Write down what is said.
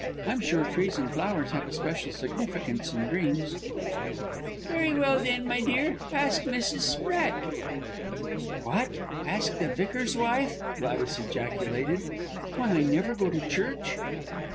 "I'm sure trees and flowers have a special significance in dreams." "Very well then, my dear, ask Mrs. Sprat." "What! ask the Vicar's wife!" Gladys ejaculated, "when I never go to church."